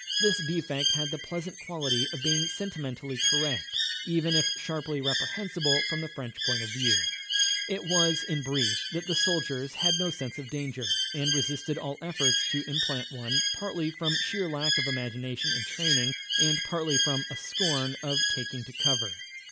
This defect had the pleasant quality of being sentimentally correct, even if sharply reprehensible from the French point of view. It was, in brief, that the soldiers had no sense of danger, and resisted all efforts to implant one, partly from sheer lack of imagination in training, and partly from a scorn of taking to cover.